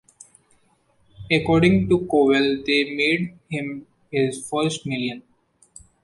According to Cowell, they made him his first million.